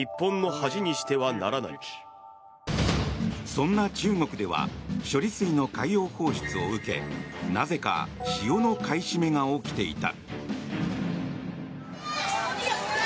そんな中国では処理水の海洋放出を受けなぜか塩の買い占めが起きていた。